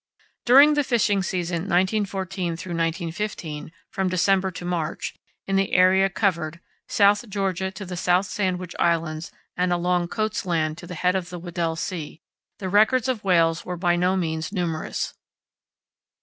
During the fishing season 1914–15 (from December to March) in the area covered—South Georgia to the South Sandwich Islands and along Coats' Land to the head of the Weddell Sea—the records of whales were by no means numerous.